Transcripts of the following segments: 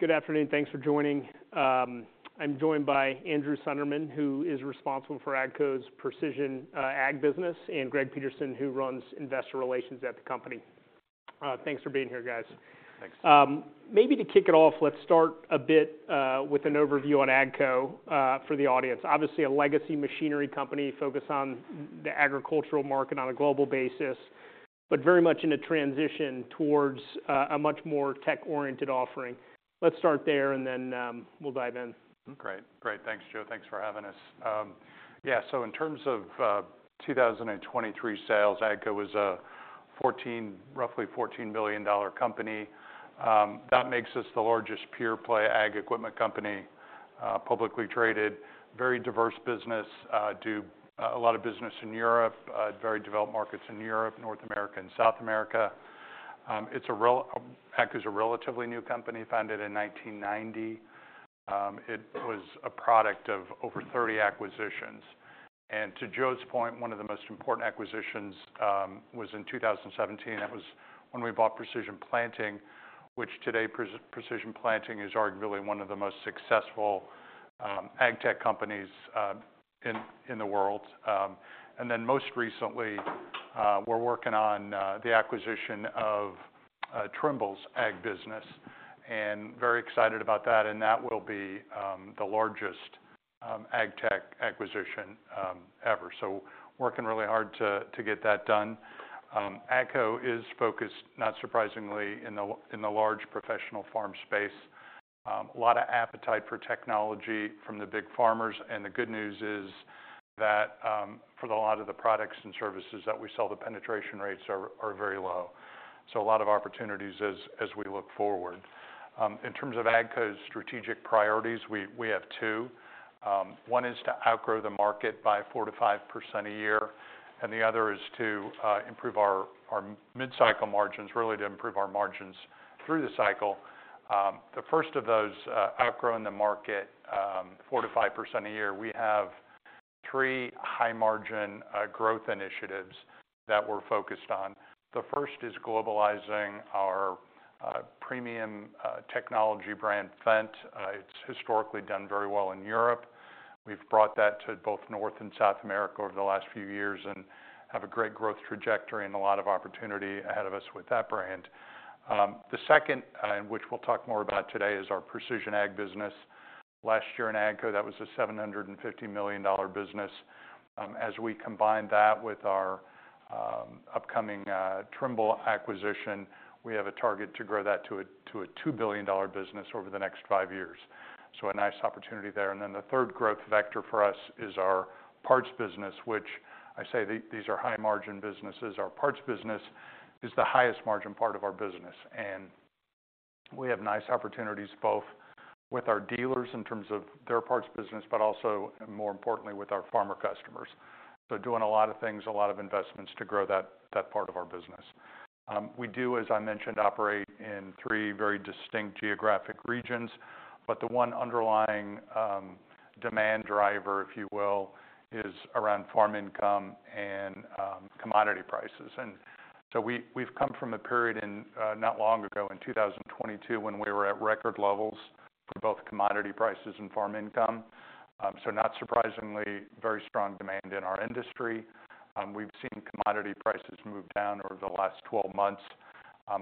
Good afternoon. Thanks for joining. I'm joined by Andrew Sunderman, who is responsible for AGCO's Precision Ag business, and Greg Peterson, who runs investor relations at the company. Thanks for being here, guys. Thanks. Maybe to kick it off, let's start a bit with an overview on AGCO for the audience. Obviously, a legacy machinery company focused on the agricultural market on a global basis, but very much in a transition towards a much more tech-oriented offering. Let's start there, and then we'll dive in. Great. Great. Thanks, Joe. Thanks for having us. Yeah, so in terms of 2023 sales, AGCO was a roughly $14 billion company. That makes us the largest pure-play ag equipment company, publicly traded, very diverse business, do a lot of business in Europe, very developed markets in Europe, North America and South America. AGCO is a relatively new company, founded in 1990. It was a product of over 30 acquisitions. And to Joe's point, one of the most important acquisitions was in 2017. That was when we bought Precision Planting, which today Precision Planting is arguably one of the most successful ag tech companies in the world. And then, most recently, we're working on the acquisition of Trimble's ag business, and very excited about that, and that will be the largest ag tech acquisition ever. So working really hard to get that done. AGCO is focused, not surprisingly, in the large professional farm space. A lot of appetite for technology from the big farmers, and the good news is that for a lot of the products and services that we sell, the penetration rates are very low. So a lot of opportunities as we look forward. In terms of AGCO's strategic priorities, we have two. One is to outgrow the market by 4%-5% a year, and the other is to improve our mid-cycle margins, really to improve our margins through the cycle. The first of those, outgrowing the market 4%-5% a year, we have three high-margin growth initiatives that we're focused on. The first is globalizing our premium technology brand, Fendt. It's historically done very well in Europe. We've brought that to both North and South America over the last few years and have a great growth trajectory and a lot of opportunity ahead of us with that brand. The second, and which we'll talk more about today, is our Precision Ag business. Last year in AGCO, that was a $750 million business. As we combine that with our upcoming Trimble acquisition, we have a target to grow that to a $2 billion business over the next five years. So a nice opportunity there. And then the third growth vector for us is our parts business, which I say these are high-margin businesses. Our parts business is the highest margin part of our business, and we have nice opportunities, both with our dealers in terms of their parts business, but also, and more importantly, with our farmer customers. So doing a lot of things, a lot of investments to grow that, that part of our business. We do, as I mentioned, operate in three very distinct geographic regions, but the one underlying demand driver, if you will, is around farm income and commodity prices. And so we, we've come from a period in not long ago, in 2022, when we were at record levels for both commodity prices and farm income. So not surprisingly, very strong demand in our industry. We've seen commodity prices move down over the last 12 months.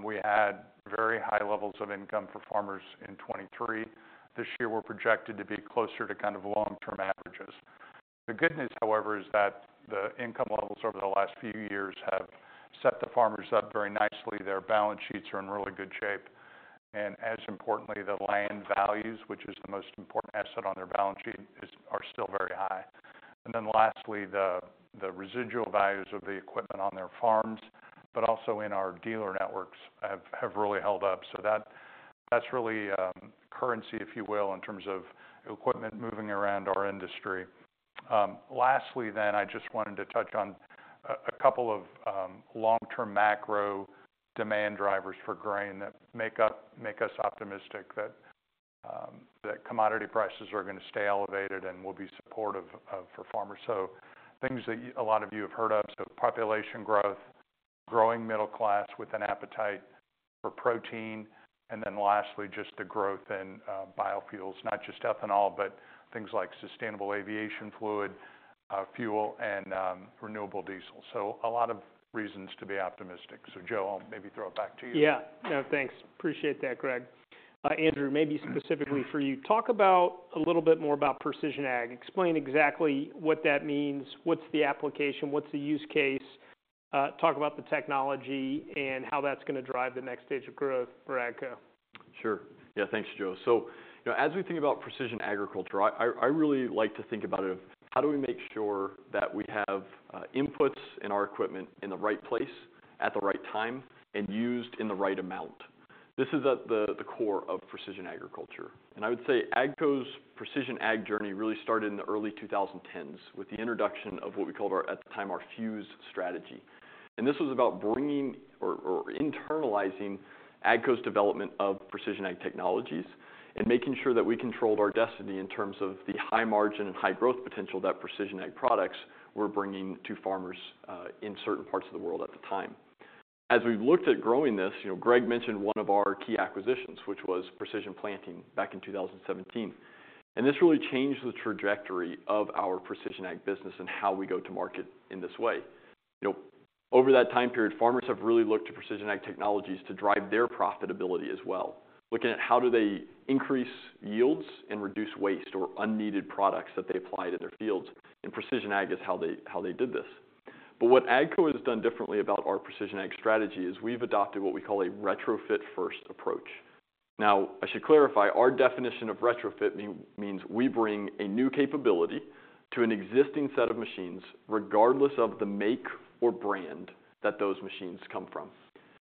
We had very high levels of income for farmers in 2023. This year, we're projected to be closer to kind of long-term averages. The good news, however, is that the income levels over the last few years have set the farmers up very nicely. Their balance sheets are in really good shape, and as importantly, the land values, which is the most important asset on their balance sheet, are still very high. And then lastly, the residual values of the equipment on their farms, but also in our dealer networks, have really held up. So that's really currency, if you will, in terms of equipment moving around our industry. Lastly, then, I just wanted to touch on a couple of long-term macro demand drivers for grain that make us optimistic that commodity prices are going to stay elevated and will be supportive for farmers. So things that a lot of you have heard of. So population growth, growing middle class with an appetite for protein, and then lastly, just the growth in biofuels. Not just ethanol, but things like sustainable aviation fuel and renewable diesel. So a lot of reasons to be optimistic. So, Joe, I'll maybe throw it back to you. Yeah. No, thanks. Appreciate that, Greg. Andrew, maybe specifically for you, talk a little bit more about Precision Ag. Explain exactly what that means, what's the application, what's the use case, talk about the technology and how that's gonna drive the next stage of growth for AGCO. Sure. Yeah. Thanks, Joe. So, you know, as we think about Precision Agriculture, I really like to think about it, how do we make sure that we have inputs in our equipment in the right place, at the right time, and used in the right amount? This is at the core of Precision Agriculture. And I would say AGCO'sPrecision Ag journey really started in the early 2010s, with the introduction of what we called our, at the time, our Fuse strategy. And this was about bringing or internalizing AGCO's development of Precision Ag technologies and making sure that we controlled our destiny in terms of the high margin and high growth potential that Precision Ag products were bringing to farmers in certain parts of the world at the time. As we've looked at growing this, you know, Greg mentioned one of our key acquisitions, which was Precision Planting, back in 2017. And this really changed the trajectory of our Precision Ag business and how we go to market in this way. You know, over that time period, farmers have really looked to Precision Ag technologies to drive their profitability as well, looking at how do they increase yields and reduce waste or unneeded products that they apply to their fields, and Precision Ag is how they, how they did this. But what AGCO has done differently about our Precision Ag strategy is we've adopted what we call a retrofit-first approach. Now, I should clarify, our definition of retrofit means we bring a new capability to an existing set of machines, regardless of the make or brand that those machines come from.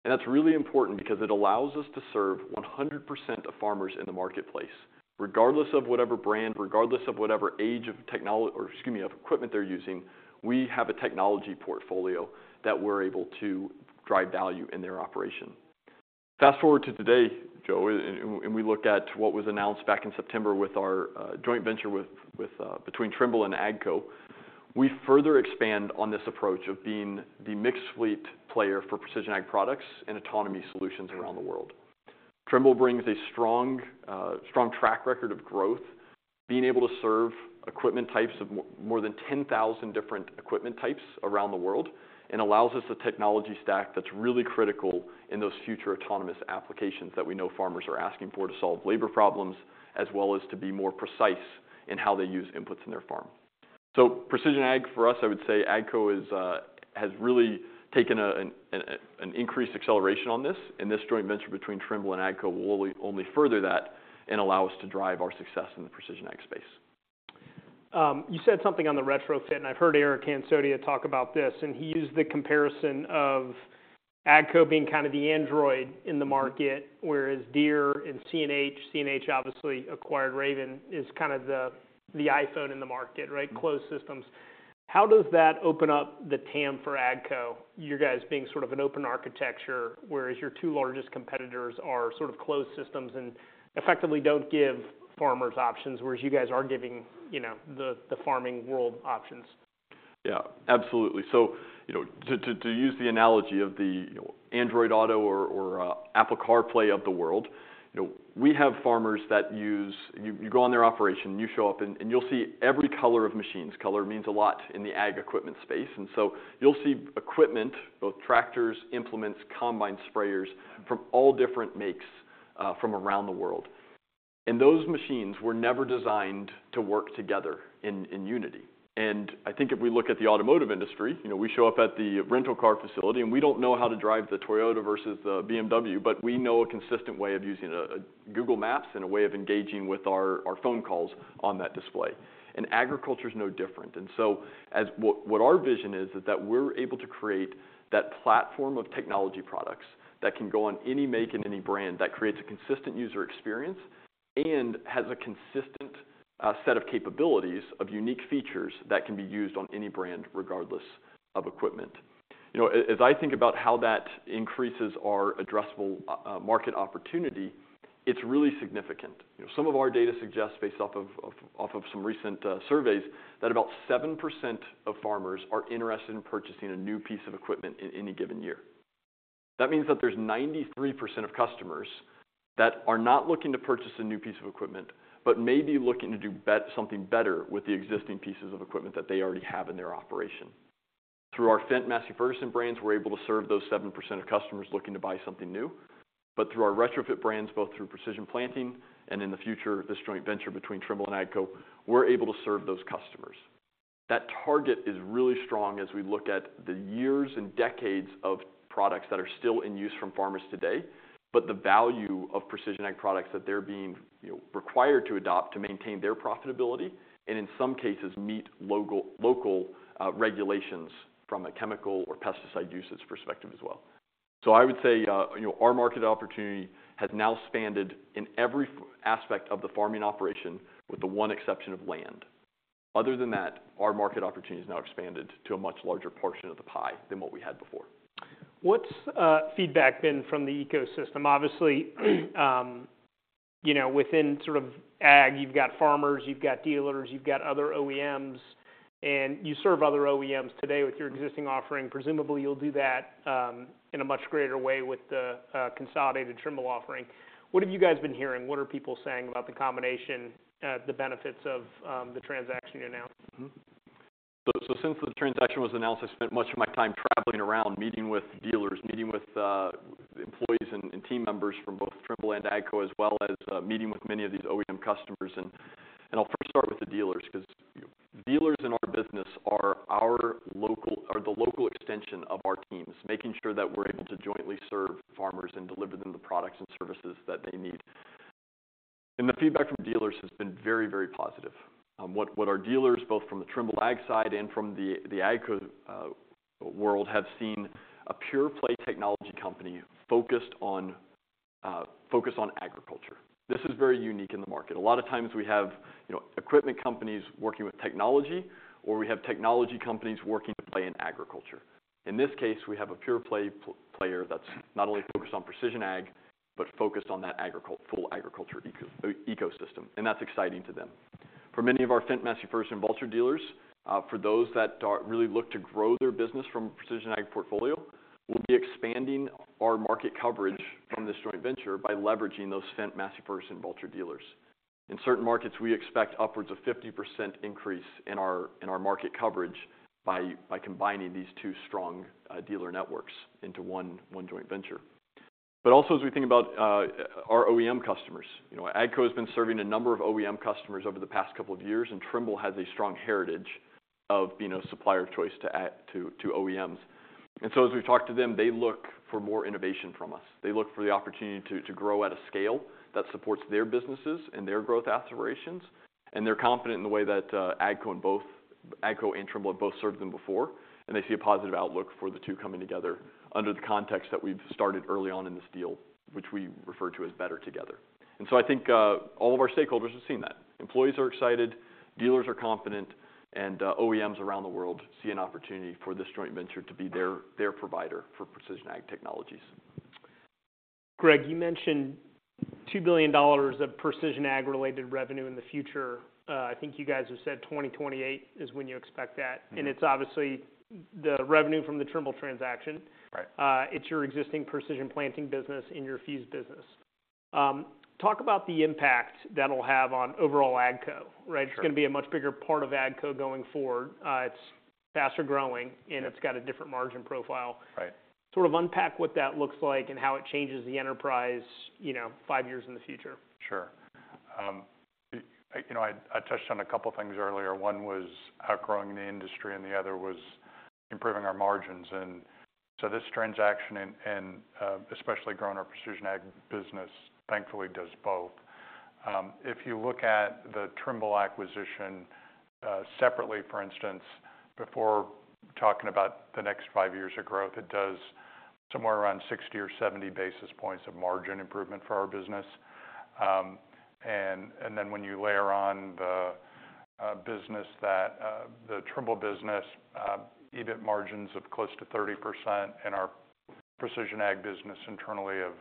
And that's really important because it allows us to serve 100% of farmers in the marketplace. Regardless of whatever brand, regardless of whatever age of technology, or excuse me, of equipment they're using, we have a technology portfolio that we're able to drive value in their operation. Fast forward to today, Joe, and we looked at what was announced back in September with our joint venture between Trimble and AGCO. We further expand on this approach of being the mixed fleet player for Precision Ag products and autonomy solutions around the world. Trimble brings a strong, strong track record of growth, being able to serve equipment types of more than 10,000 different equipment types around the world, and allows us a technology stack that's really critical in those future autonomous applications that we know farmers are asking for to solve labor problems, as well as to be more precise in how they use inputs in their farm. Precision Ag, for us, I would say AGCO is, has really taken an increased acceleration on this, and this joint venture between Trimble and AGCO will only further that and allow us to drive our success in the Precision Ag space. you said something on the retrofit, and I've heard Eric Hansotia talk about this, and he used the comparison of AGCO being kind of the Android in the market, whereas Deere and CNH, CNH obviously acquired Raven, is kind of the, the iPhone in the market, right? Closed systems. How does that open up the TAM for AGCO, you guys being sort of an open architecture, whereas your two largest competitors are sort of closed systems and effectively don't give farmers options, whereas you guys are giving, you know, the, the farming world options? Yeah, absolutely. So, you know, to use the analogy of the, you know, Android Auto or Apple CarPlay of the world, you know, we have farmers that use. You go on their operation, you show up and you'll see every color of machines. Color means a lot in the ag equipment space. And so you'll see equipment, both tractors, implements, combine sprayers, from all different makes from around the world. And those machines were never designed to work together in unity. And I think if we look at the automotive industry, you know, we show up at the rental car facility, and we don't know how to drive the Toyota versus the BMW, but we know a consistent way of using a Google Maps and a way of engaging with our phone calls on that display. Agriculture is no different. So what our vision is, is that we're able to create that platform of technology products that can go on any make and any brand, that creates a consistent user experience, and has a consistent set of capabilities of unique features that can be used on any brand, regardless of equipment. You know, as I think about how that increases our addressable market opportunity, it's really significant. You know, some of our data suggests, based off of some recent surveys, that about 7% of farmers are interested in purchasing a new piece of equipment in any given year. That means that there's 93% of customers that are not looking to purchase a new piece of equipment, but may be looking to do something better with the existing pieces of equipment that they already have in their operation. Through our Fendt Massey Ferguson brands, we're able to serve those 7% of customers looking to buy something new. But through our retrofit brands, both through Precision Planting and in the future, this joint venture between Trimble and AGCO, we're able to serve those customers. That target is really strong as we look at the years and decades of products that are still in use from farmers today, but the value of Precision Ag products that they're being, you know, required to adopt to maintain their profitability, and in some cases, meet local regulations from a chemical or pesticide usage perspective as well. So I would say, you know, our market opportunity has now expanded in every aspect of the farming operation, with the one exception of land. Other than that, our market opportunity has now expanded to a much larger portion of the pie than what we had before. What's feedback been from the ecosystem? Obviously, you know, within sort of ag, you've got farmers, you've got dealers, you've got other OEMs, and you serve other OEMs today with your existing offering. Presumably, you'll do that in a much greater way with the consolidated Trimble offering. What have you guys been hearing? What are people saying about the combination, the benefits of the transaction you announced? So since the transaction was announced, I've spent much of my time traveling around, meeting with dealers, meeting with employees and team members from both Trimble and AGCO, as well as meeting with many of these OEM customers. I'll first start with the dealers, 'cause dealers in our business are the local extension of our teams, making sure that we're able to jointly serve farmers and deliver them the products and services that they need. And the feedback from dealers has been very, very positive. What our dealers, both from the Trimble Ag side and from the AGCO world, have seen a pure play technology company focused on agriculture. This is very unique in the market. A lot of times we have, you know, equipment companies working with technology, or we have technology companies working to play in agriculture. In this case, we have a pure play player that's not only focused on Precision Ag, but focused on that full agriculture ecosystem, and that's exciting to them. For many of our Fendt, Massey Ferguson, Valtra dealers, for those that really look to grow their business from a Precision Ag portfolio, we'll be expanding our market coverage from this joint venture by leveraging those Fendt, Massey Ferguson, Valtra dealers. In certain markets, we expect upwards of 50% increase in our market coverage by combining these two strong dealer networks into one joint venture. But also, as we think about our OEM customers, you know, AGCO has been serving a number of OEM customers over the past couple of years, and Trimble has a strong heritage of being a supplier of choice to OEMs. So as we talk to them, they look for more innovation from us. They look for the opportunity to grow at a scale that supports their businesses and their growth aspirations. And they're confident in the way that AGCO and both, AGCO and Trimble have both served them before, and they see a positive outlook for the two coming together under the context that we've started early on in this deal, which we refer to as better together. So I think all of our stakeholders have seen that. Employees are excited, dealers are confident, and OEMs around the world see an opportunity for this joint venture to be their provider for Precision Ag technologies. Greg, you mentioned $2 billion of precision ag-related revenue in the future. I think you guys have said 2028 is when you expect that. It's obviously the revenue from the Trimble transaction. It's your existing Precision Planting business and your Fuse business. Talk about the impact that'll have on overall AGCO, right? It's going to be a much bigger part of AGCO going forward. It's faster growing, and it's got a different margin profile. Sort of unpack what that looks like and how it changes the enterprise, you know, five years in the future. Sure. You know, I touched on a couple of things earlier. One was outgrowing the industry, and the other was improving our margins. And so this transaction and especially growing our Precision Ag business, thankfully, does both. If you look at the Trimble acquisition, separately, for instance, before talking about the next five years of growth, it does somewhere around 60 or 70 basis points of margin improvement for our business. And then when you layer on the Trimble business, EBIT margins of close to 30% and our Precision Ag business internally of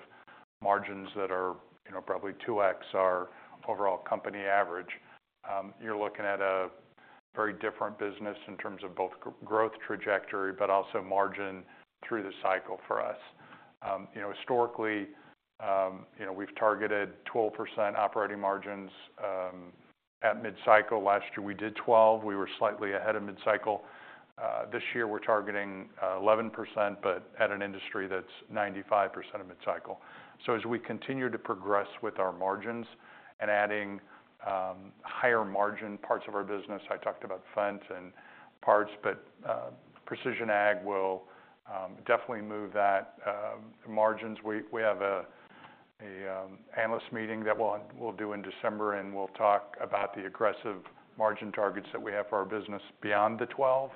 margins that are, you know, probably 2x our overall company average, you're looking at a very different business in terms of both growth trajectory, but also margin through the cycle for us. You know, historically, you know, we've targeted 12% operating margins at mid-cycle. Last year, we did 12. We were slightly ahead of mid-cycle. This year, we're targeting 11%, but at an industry that's 95% of mid-cycle. So as we continue to progress with our margins and adding higher margin parts of our business, I talked about Fendt and parts, but Precision Ag will definitely move that margins. We have a analyst meeting that we'll do in December, and we'll talk about the aggressive margin targets that we have for our business beyond the 12.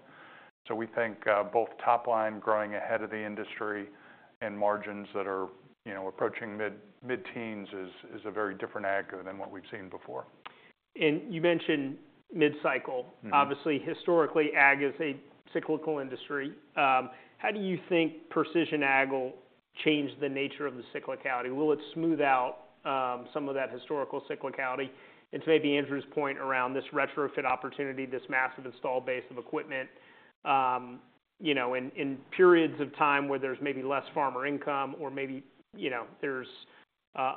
So we think both top line growing ahead of the industry and margins that are, you know, approaching mid-teens is a very different AGCO than what we've seen before. You mentioned mid-cycle. Obviously, historically, ag is a cyclical industry. How do you think Precision Ag will change the nature of the cyclicality? Will it smooth out some of that historical cyclicality? And to maybe Andrew's point around this retrofit opportunity, this massive installed base of equipment, you know, in periods of time where there's maybe less farmer income or maybe, you know, there's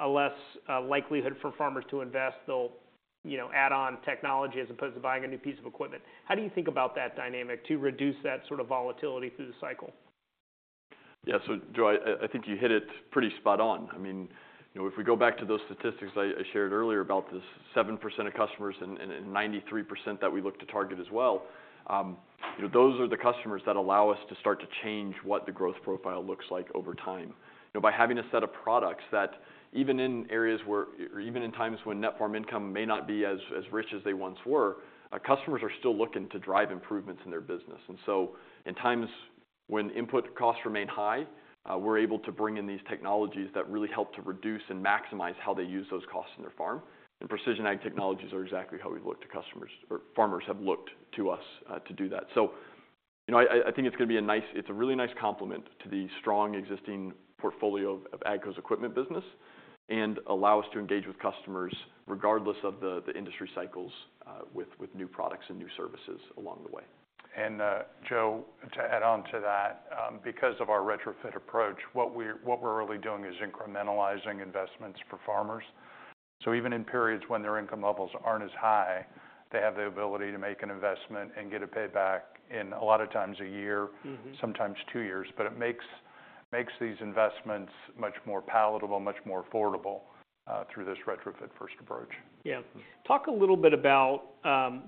a less likelihood for farmers to invest, they'll, you know, add on technology as opposed to buying a new piece of equipment. How do you think about that dynamic to reduce that sort of volatility through the cycle? Yeah. So Joe, I think you hit it pretty spot on. I mean, you know, if we go back to those statistics I shared earlier about this 7% of customers and 93% that we look to target as well, you know, those are the customers that allow us to start to change what the growth profile looks like over time. You know, by having a set of products that even in areas where, or even in times when net farm income may not be as rich as they once were, our customers are still looking to drive improvements in their business. And so in times when input costs remain high, we're able to bring in these technologies that really help to reduce and maximize how they use those costs in their farm. Precision Ag technologies are exactly how we look to customers or farmers have looked to us to do that. So, you know, I think it's a really nice complement to the strong existing portfolio of AGCO's equipment business and allow us to engage with customers, regardless of the industry cycles, with new products and new services along the way. And, Joe, to add on to that, because of our retrofit approach, what we're really doing is incrementalizing investments for farmers. So even in periods when their income levels aren't as high, they have the ability to make an investment and get a payback in a lot of times, a year sometimes two years. But it makes these investments much more palatable, much more affordable through this Retrofit-first approach. Yeah. Talk a little bit about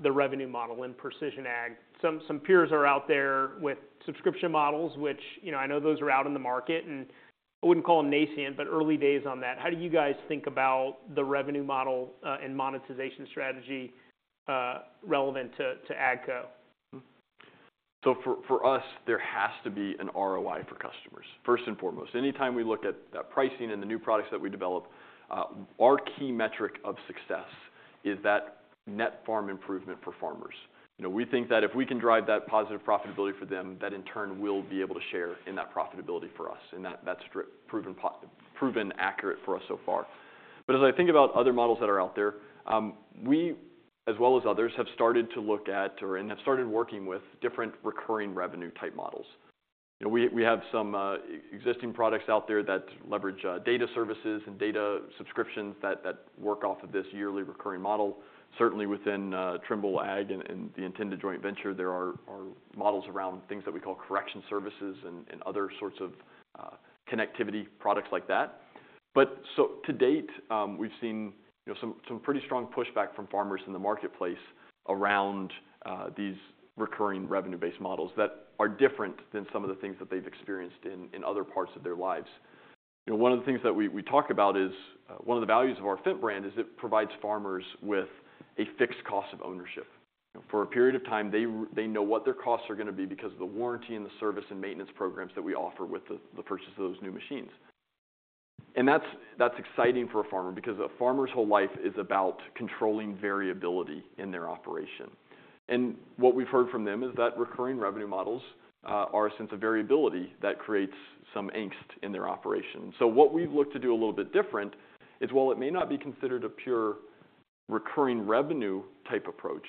the revenue model in Precision Ag. Some peers are out there with subscription models, which, you know, I know those are out in the market, and I wouldn't call them nascent, but early days on that. How do you guys think about the revenue model and monetization strategy relevant to AGCO? So for us, there has to be an ROI for customers, first and foremost. Anytime we look at pricing and the new products that we develop, our key metric of success is that net farm improvement for farmers. You know, we think that if we can drive that positive profitability for them, that in turn, will be able to share in that profitability for us, and that's proven accurate for us so far. But as I think about other models that are out there, we, as well as others, have started to look at and have started working with different recurring revenue type models. You know, we have some existing products out there that leverage data services and data subscriptions that work off of this yearly recurring model. Certainly within Trimble Ag and the intended joint venture, there are models around things that we call correction services and other sorts of connectivity products like that. But so to date, we've seen, you know, some pretty strong pushback from farmers in the marketplace around these recurring revenue-based models that are different than some of the things that they've experienced in other parts of their lives. You know, one of the things that we talk about is one of the values of our Fendt brand is it provides farmers with a fixed cost of ownership. For a period of time, they know what their costs are gonna be because of the warranty and the service and maintenance programs that we offer with the purchase of those new machines. And that's, that's exciting for a farmer, because a farmer's whole life is about controlling variability in their operation. And what we've heard from them is that recurring revenue models are a sense of variability that creates some angst in their operation. So what we've looked to do a little bit different is, while it may not be considered a pure recurring revenue type approach,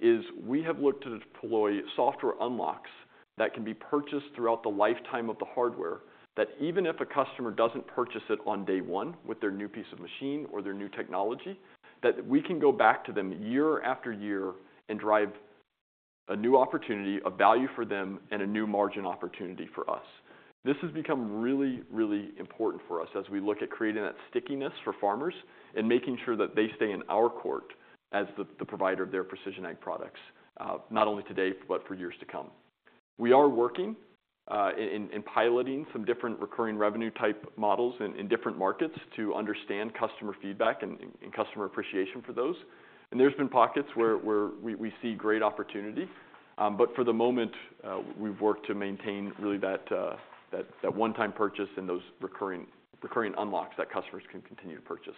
is we have looked to deploy software unlocks that can be purchased throughout the lifetime of the hardware, that even if a customer doesn't purchase it on day one with their new piece of machine or their new technology, that we can go back to them year after year and drive a new opportunity, a value for them, and a new margin opportunity for us. This has become really, really important for us as we look at creating that stickiness for farmers and making sure that they stay in our court as the provider of their Precision Ag products, not only today, but for years to come. We are working in piloting some different recurring revenue type models in different markets to understand customer feedback and customer appreciation for those. And there's been pockets where we see great opportunity, but for the moment, we've worked to maintain really that one-time purchase and those recurring unlocks that customers can continue to purchase.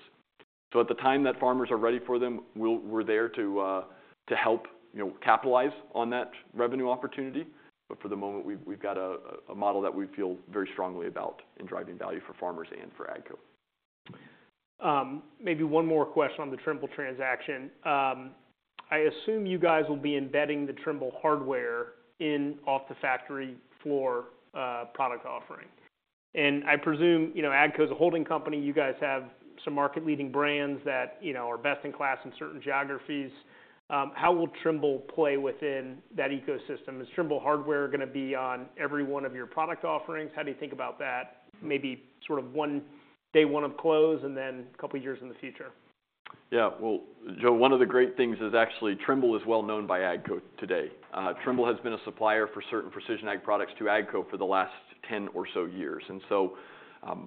So at the time that farmers are ready for them, we're there to help, you know, capitalize on that revenue opportunity. But for the moment, we've got a model that we feel very strongly about in driving value for farmers and for AGCO. Maybe one more question on the Trimble transaction. I assume you guys will be embedding the Trimble hardware in off the factory floor, product offering. And I presume, you know, AGCO is a holding company, you guys have some market-leading brands that, you know, are best-in-class in certain geographies. How will Trimble play within that ecosystem? Is Trimble hardware gonna be on every one of your product offerings? How do you think about that? Maybe sort of one, day one of close, and then a couple of years in the future. Yeah. Well, Joe, one of the great things is actually Trimble is well known by AGCO today. Trimble has been a supplier for certain Precision Ag products to AGCO for the last 10 or so years. And so,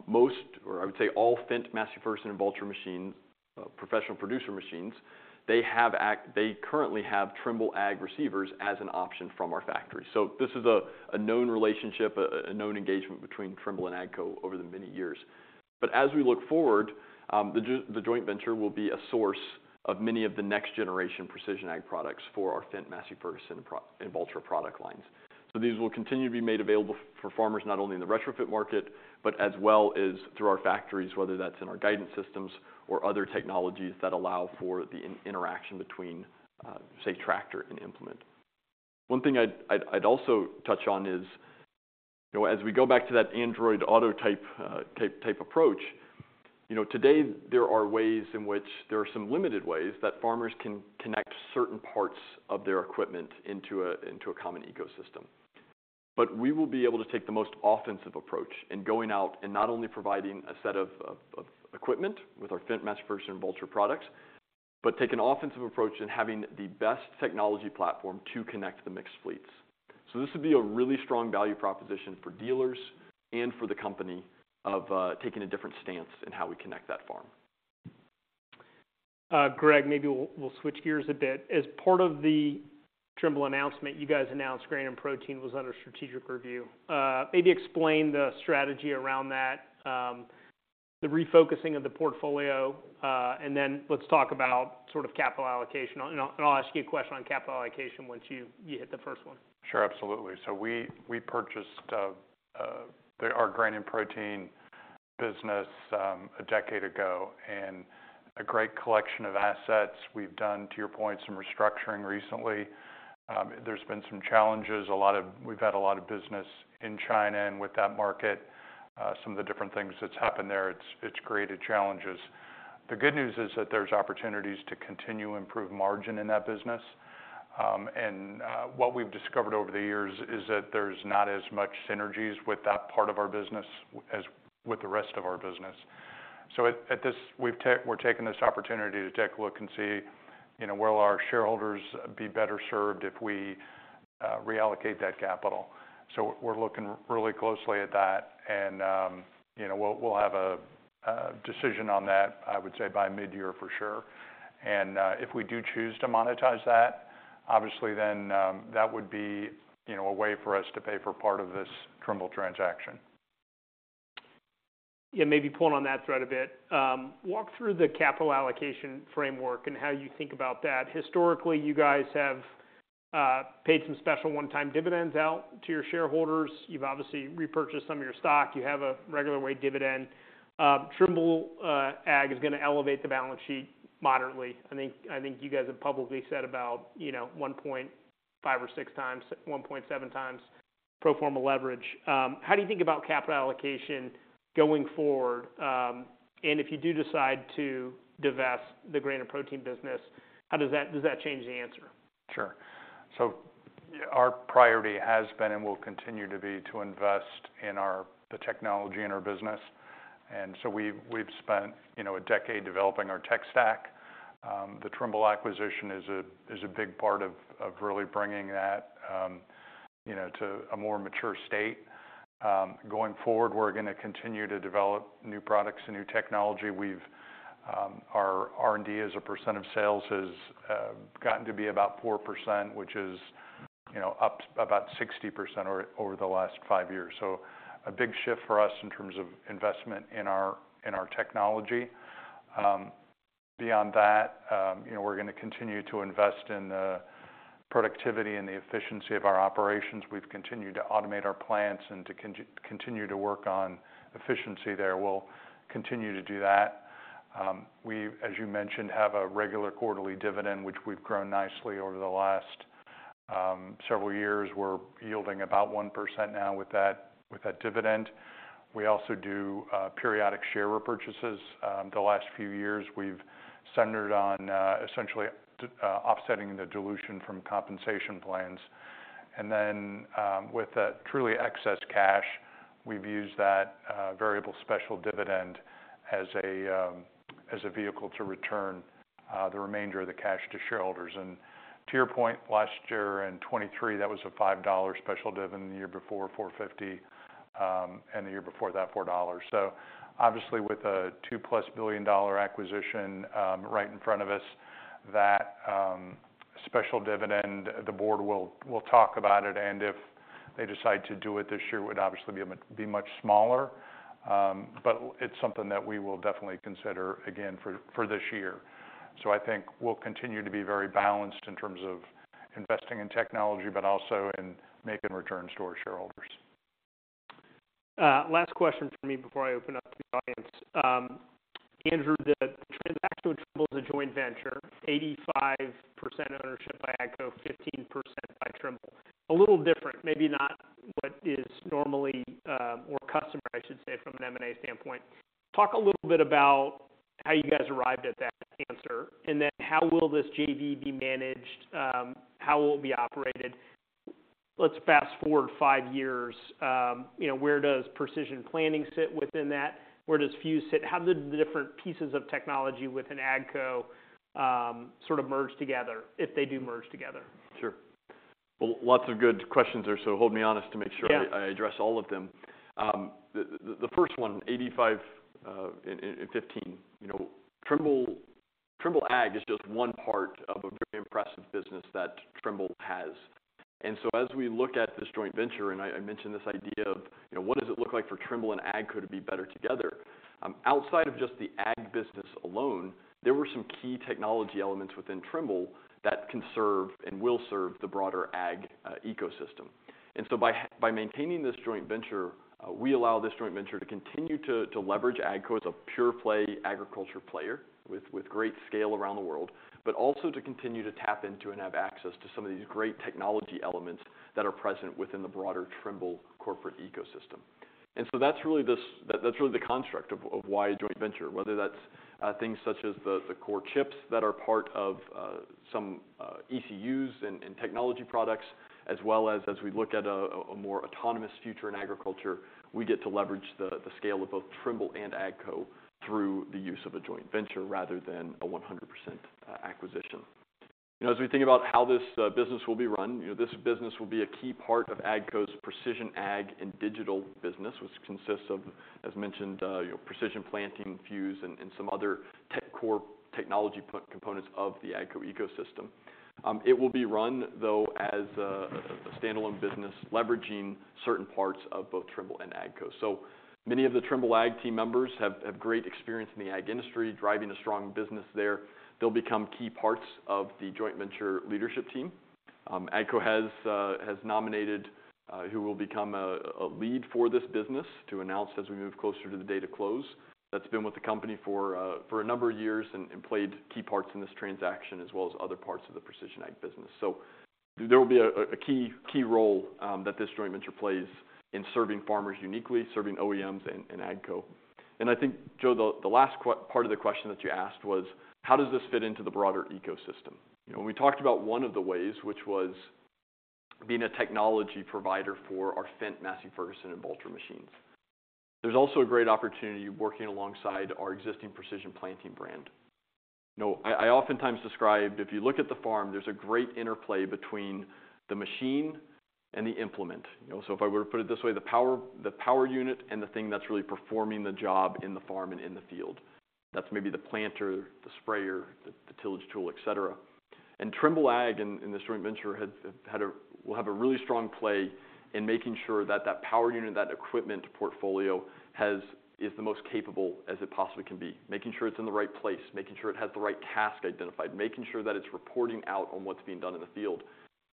most, or I would say all Fendt, Massey Ferguson, and Valtra machines, professional producer machines, they currently have Trimble Ag receivers as an option from our factory. So this is a known relationship, a known engagement between Trimble and AGCO over the many years. But as we look forward, the joint venture will be a source of many of the next-generation Precision Ag products for our Fendt, Massey Ferguson, and Valtra product lines. So these will continue to be made available for farmers, not only in the retrofit market, but as well as through our factories, whether that's in our guidance systems or other technologies that allow for the interaction between, say, tractor and implement. One thing I'd also touch on is, you know, as we go back to that Android Auto type approach, you know, today there are ways in which there are some limited ways that farmers can connect certain parts of their equipment into a common ecosystem. But we will be able to take the most offensive approach in going out and not only providing a set of equipment with our Fendt, Massey Ferguson, and Valtra products, but take an offensive approach in having the best technology platform to connect the mixed fleets. This would be a really strong value proposition for dealers and for the company of taking a different stance in how we connect that farm. Greg, maybe we'll switch gears a bit. As part of the Trimble announcement, you guys announced Grain and Protein was under strategic review. Maybe explain the strategy around that, the refocusing of the portfolio, and then let's talk about sort of capital allocation. And I'll ask you a question on capital allocation once you hit the first one. Sure, absolutely. So we purchased our Grain and Protein business a decade ago. And a great collection of assets. We've done, to your point, some restructuring recently. There's been some challenges. We've had a lot of business in China and with that market, some of the different things that's happened there, it's created challenges. The good news is that there's opportunities to continue to improve margin in that business. What we've discovered over the years is that there's not as much synergies with that part of our business as with the rest of our business. So we're taking this opportunity to take a look and see, you know, will our shareholders be better served if we reallocate that capital? So we're looking really closely at that, and, you know, we'll have a decision on that, I would say, by mid-year for sure. And, if we do choose to monetize that, obviously then, that would be, you know, a way for us to pay for part of this Trimble transaction. Yeah, maybe pulling on that thread a bit. Walk through the capital allocation framework and how you think about that. Historically, you guys have paid some special one-time dividends out to your shareholders. You've obviously repurchased some of your stock. You have a regular way dividend. Trimble Ag is going to elevate the balance sheet moderately. I think you guys have publicly said about, you know, 1.5x or 1.6x, 1.7x pro forma leverage. How do you think about capital allocation going forward? And if you do decide to divest the Grain and Protein business, how does that change the answer? Sure. So our priority has been, and will continue to be, to invest in our technology and our business. And so we've spent, you know, a decade developing our tech stack. The Trimble acquisition is a big part of really bringing that, you know, to a more mature state. Going forward, we're going to continue to develop new products and new technology. Our R&D as a percent of sales has gotten to be about 4%, which is, you know, up about 60% over the last 5 years. So a big shift for us in terms of investment in our technology. Beyond that, you know, we're going to continue to invest in the productivity and the efficiency of our operations. We've continued to automate our plants and to continue to work on efficiency there. We'll continue to do that. We, as you mentioned, have a regular quarterly dividend, which we've grown nicely over the last several years. We're yielding about 1% now with that, with that dividend. We also do periodic share repurchases. The last few years, we've centered on essentially offsetting the dilution from compensation plans. And then, with that truly excess cash, we've used that variable special dividend as a, as a vehicle to return the remainder of the cash to shareholders. And to your point, last year in 2023, that was a $5 special dividend, the year before, $4.50, and the year before that, $4. Obviously, with a $2+ billion-dollar acquisition right in front of us, that special dividend, the board will talk about it, and if they decide to do it this year, would obviously be much smaller. But it's something that we will definitely consider again for this year. I think we'll continue to be very balanced in terms of investing in technology, but also in making returns to our shareholders. Last question from me before I open up to the audience. Andrew, the transaction with Trimble is a joint venture, 85% ownership by AGCO, 15% by Trimble. A little different, maybe not what is normally, or custom, I should say, from an M&A standpoint. Talk a little bit about how you guys arrived at that answer, and then how will this JV be managed? How will it be operated? Let's fast forward five years, you know, where does Precision Planting sit within that? Where does Fuse sit? How do the different pieces of technology within AGCO, sort of merge together, if they do merge together? Sure. Well, lots of good questions there, so keep me honest to make sure I address all of them. The first one, 85 and 15. You know, Trimble, Trimble Ag is just one part of a very impressive business that Trimble has. And so as we look at this joint venture, and I mentioned this idea of, you know, what does it look like for Trimble and Ag, could it be better together? Outside of just the Ag business alone, there were some key technology elements within Trimble that can serve and will serve the broader Ag ecosystem. And so by maintaining this joint venture, we allow this joint venture to continue to leverage AGCO as a pure play agriculture player with great scale around the world, but also to continue to tap into and have access to some of these great technology elements that are present within the broader Trimble corporate ecosystem. That's really the construct of why a joint venture, whether that's things such as the core chips that are part of some ECUs and technology products, as well as, as we look at a more autonomous future in agriculture, we get to leverage the scale of both Trimble and AGCO through the use of a joint venture rather than a 100% acquisition. As we think about how this business will be run, you know, this business will be a key part of AGCO's Precision Ag and Digital business, which consists of, as mentioned Precision Planting, Fuse, and some other tech core technology components of the AGCO ecosystem. It will be run, though, as a standalone business, leveraging certain parts of both Trimble and AGCO. Many of the Trimble Ag team members have great experience in the ag industry, driving a strong business there. They'll become key parts of the joint venture leadership team. AGCO has nominated who will become a lead for this business to announce as we move closer to the date of close. That's been with the company for a number of years and played key parts in this transaction, as well as other parts of the Precision Ag business. So there will be a key role that this joint venture plays in serving farmers uniquely, serving OEMs and AGCO. And I think, Joe, the last part of the question that you asked was: How does this fit into the broader ecosystem? You know, we talked about one of the ways, which was being a technology provider for our Fendt, Massey Ferguson, and Valtra machines. There's also a great opportunity working alongside our existing Precision Planting brand. You know, I oftentimes describe, if you look at the farm, there's a great interplay between the machine and the implement. You know, so if I were to put it this way, the power, the power unit, and the thing that's really performing the job in the farm and in the field, that's maybe the planter, the sprayer, the, the tillage tool, et cetera. And Trimble Ag in, in this joint venture has, have had a--will have a really strong play in making sure that, that power unit, that equipment portfolio has is the most capable as it possibly can be. Making sure it's in the right place, making sure it has the right task identified, making sure that it's reporting out on what's being done in the field.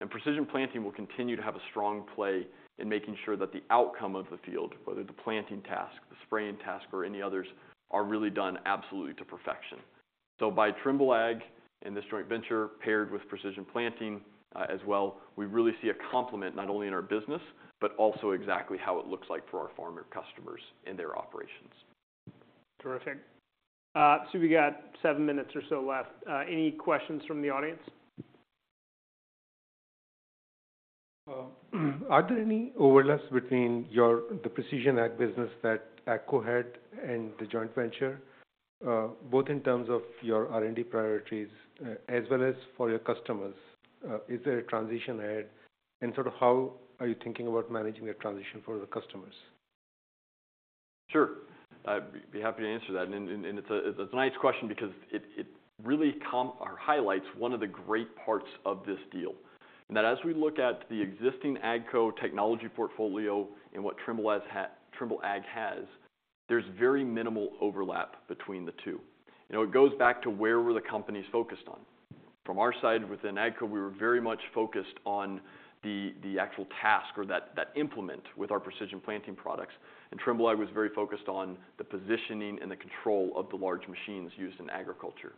And Precision Planting will continue to have a strong play in making sure that the outcome of the field, whether the planting task, the spraying task, or any others, are really done absolutely to perfection. By Trimble Ag and this joint venture paired with Precision Planting, as well, we really see a complement, not only in our business, but also exactly how it looks like for our farmer customers and their operations. Terrific. We got seven minutes or so left. Any questions from the audience? Are there any overlaps between the Precision Ag business that AGCO had and the joint venture, both in terms of your R&D priorities, as well as for your customers? Is there a transition ahead, and sort of how are you thinking about managing that transition for the customers? Sure. I'd be happy to answer that. And it's a nice question because it really complements or highlights one of the great parts of this deal. And that as we look at the existing AGCO technology portfolio and what Trimble Ag has had, there's very minimal overlap between the two. You know, it goes back to where were the companies focused on? From our side, within AGCO, we were very much focused on the actual task or that implement with our Precision Planting products. And Trimble Ag was very focused on the positioning and the control of the large machines used in agriculture.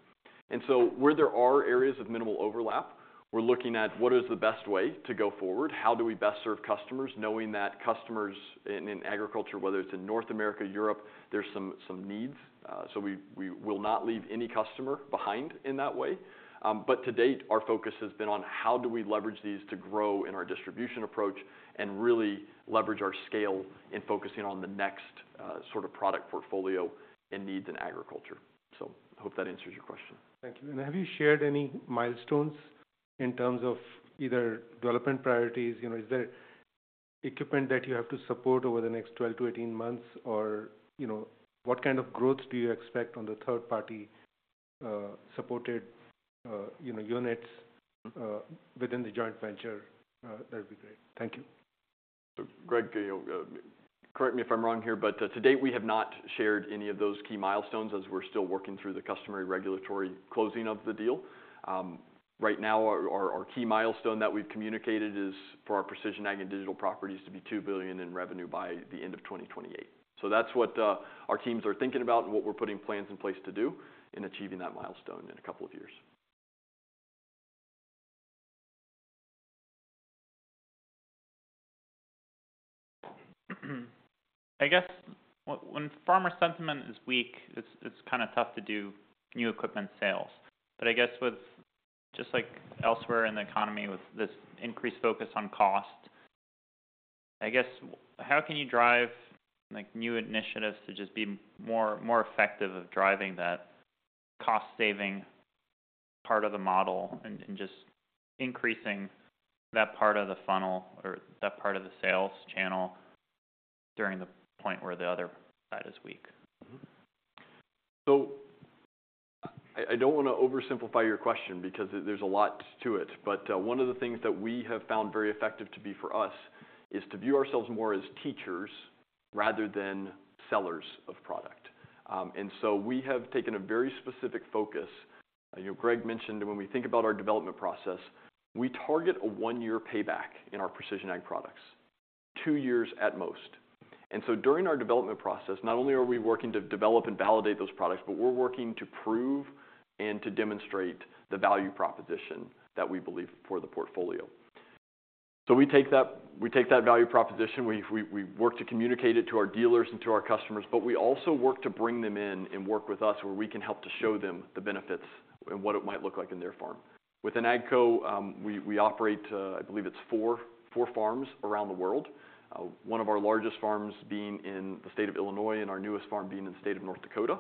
And so where there are areas of minimal overlap, we're looking at what is the best way to go forward? How do we best serve customers, knowing that customers in agriculture, whether it's in North America or Europe, there's some needs. So we will not leave any customer behind in that way. But to date, our focus has been on how do we leverage these to grow in our distribution approach and really leverage our scale in focusing on the next sort of product portfolio and needs in agriculture. So I hope that answers your question. Thank you. And have you shared any milestones in terms of either development priorities? You know, is there equipment that you have to support over the next 12-18 months, or, you know, what kind of growth do you expect on the third-party, supported, you know, units, within the joint venture? That'd be great. Thank you. So Greg, correct me if I'm wrong here, but, to date, we have not shared any of those key milestones, as we're still working through the customary regulatory closing of the deal. Right now, our key milestone that we've communicated is for our Precision Ag and digital properties to be $2 billion in revenue by the end of 2028. So that's what our teams are thinking about and what we're putting plans in place to do in achieving that milestone in a couple of years. I guess when farmer sentiment is weak, it's kind of tough to do new equipment sales. But I guess with just like elsewhere in the economy, with this increased focus on cost, I guess, how can you drive, like, new initiatives to just be more effective of driving that cost-saving part of the model and just increasing that part of the funnel or that part of the sales channel during the point where the other side is weak? So I don't want to oversimplify your question because there's a lot to it, but one of the things that we have found very effective to be for us is to view ourselves more as teachers rather than sellers of product. And so we have taken a very specific focus. You know, Greg mentioned, when we think about our development process, we target a 1-year payback in our Precision Ag products, two years at most. And so during our development process, not only are we working to develop and validate those products, but we're working to prove and to demonstrate the value proposition that we believe for the portfolio. So we take that, we take that value proposition, we work to communicate it to our dealers and to our customers, but we also work to bring them in and work with us, where we can help to show them the benefits and what it might look like in their farm. Within AGCO, we operate, I believe it's four farms around the world. One of our largest farms being in the state of Illinois, and our newest farm being in the state of North Dakota.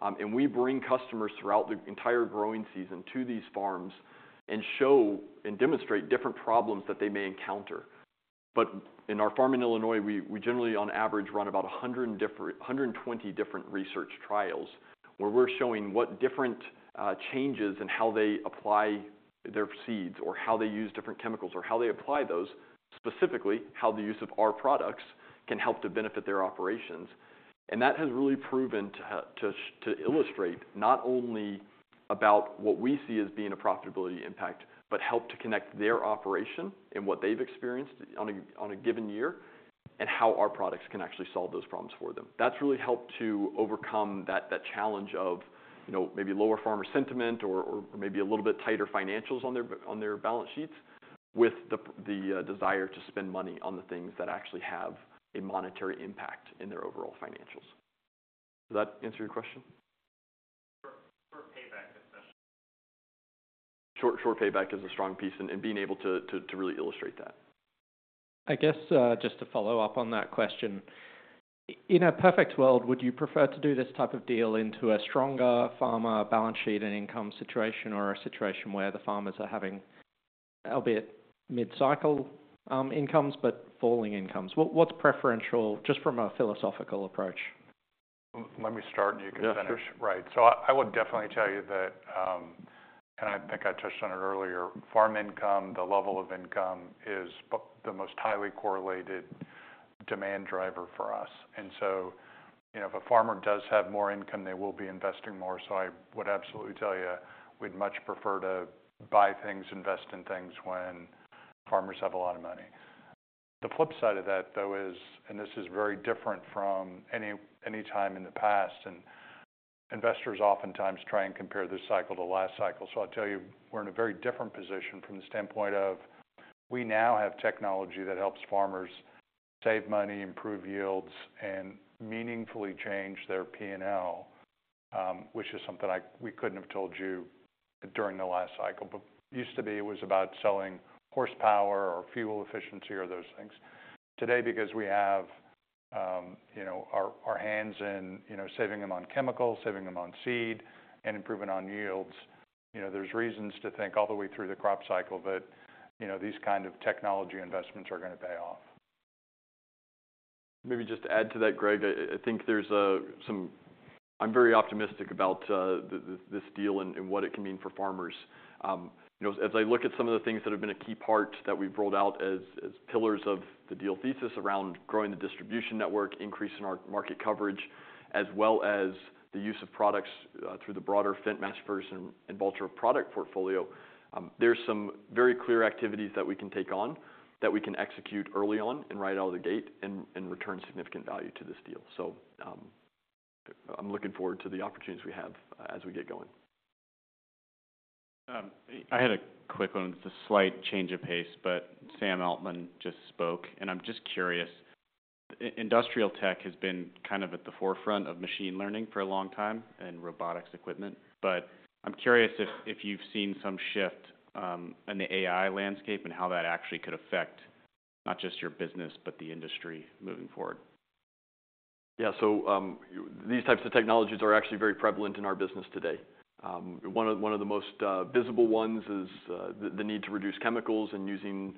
And we bring customers throughout the entire growing season to these farms and show and demonstrate different problems that they may encounter. But in our farm in Illinois, we generally, on average, run about 120 different research trials, where we're showing what different changes and how they apply their seeds, or how they use different chemicals, or how they apply those, specifically, how the use of our products can help to benefit their operations. And that has really proven to to illustrate not only about what we see as being a profitability impact, but help to connect their operation and what they've experienced on a, on a given year, and how our products can actually solve those problems for them. That's really helped to overcome that challenge of, you know, maybe lower farmer sentiment or maybe a little bit tighter financials on their balance sheets, with the desire to spend money on the things that actually have a monetary impact in their overall financials. Does that answer your question? Sure. For payback, especially. Short, short payback is a strong piece and being able to really illustrate that. I guess, just to follow up on that question: in a perfect world, would you prefer to do this type of deal into a stronger farmer balance sheet and income situation, or a situation where the farmers are having, albeit mid-cycle, incomes, but falling incomes? What, what's preferential, just from a philosophical approach? Let me start, and you can finish. Yeah, sure. Right. So I would definitely tell you that, and I think I touched on it earlier, farm income, the level of income, is the most highly correlated demand driver for us. And so, you know, if a farmer does have more income, they will be investing more. So I would absolutely tell you, we'd much prefer to buy things, invest in things when farmers have a lot of money. The flip side of that, though, is, and this is very different from any time in the past, and investors oftentimes try and compare this cycle to last cycle. So I'll tell you, we're in a very different position from the standpoint of, we now have technology that helps farmers save money, improve yields, and meaningfully change their P&L, which is something we couldn't have told you during the last cycle. But used to be, it was about selling horsepower or fuel efficiency or those things. Today, because we have, you know, our hands in, you know, saving them on chemicals, saving them on seed, and improving on yields, you know, there's reasons to think all the way through the crop cycle that, you know, these kind of technology investments are gonna pay off. Maybe just to add to that, Greg, I'm very optimistic about this deal and what it can mean for farmers. You know, as I look at some of the things that have been a key part that we've rolled out as pillars of the deal thesis around growing the distribution network, increasing our market coverage, as well as the use of products through the broader Fendt, Massey Ferguson, and Valtra product portfolio, there's some very clear activities that we can take on, that we can execute early on and right out of the gate and return significant value to this deal. So, I'm looking forward to the opportunities we have as we get going. I had a quick one. It's a slight change of pace, but Sam Altman just spoke, and I'm just curious. Industrial tech has been kind of at the forefront of machine learning for a long time and robotics equipment, but I'm curious if you've seen some shift in the AI landscape and how that actually could affect not just your business, but the industry moving forward. Yeah. So, these types of technologies are actually very prevalent in our business today. One of the most visible ones is the need to reduce chemicals and using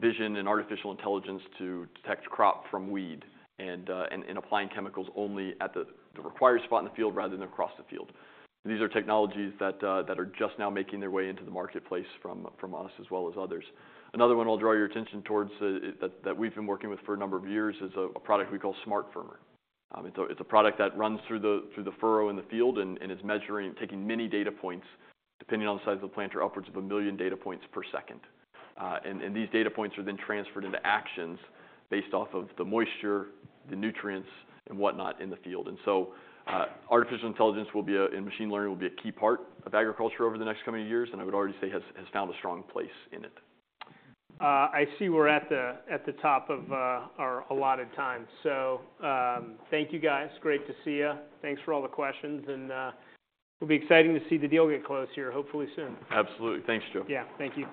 vision and artificial intelligence to detect crop from weed, and applying chemicals only at the required spot in the field rather than across the field. These are technologies that are just now making their way into the marketplace from us as well as others. Another one I'll draw your attention towards, that we've been working with for a number of years, is a product we call SmartFirmer. It's a product that runs through the furrow in the field, and it's measuring and taking many data points, depending on the size of the planter, upwards of 1 million data points per second. These data points are then transferred into actions based off of the moisture, the nutrients, and whatnot in the field. And so, artificial intelligence and machine learning will be a key part of agriculture over the next coming years, and I would already say has found a strong place in it. I see we're at the top of our allotted time. So, thank you, guys. Great to see you. Thanks for all the questions, and it'll be exciting to see the deal get closed here, hopefully soon. Absolutely. Thanks, Joe. Yeah. Thank you.